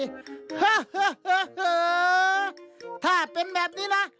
เฮ่อถ้าเป็นแบบนี้ล่ะ